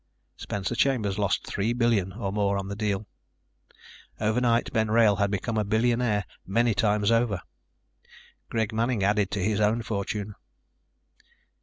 Spencer Chambers lost three billion or more on the deal. Overnight Ben Wrail had become a billionaire many times over. Greg Manning added to his own fortune.